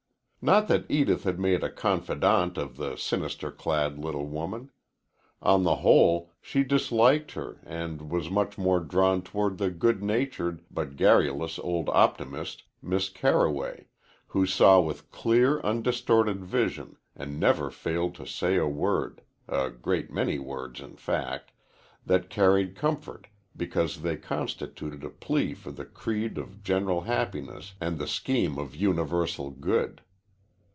Not that Edith had made a confidante of the sinister clad little woman. On the whole, she disliked her and was much more drawn toward the good natured but garrulous old optimist, Miss Carroway, who saw with clear undistorted vision, and never failed to say a word a great many words, in fact that carried comfort because they constituted a plea for the creed of general happiness and the scheme of universal good.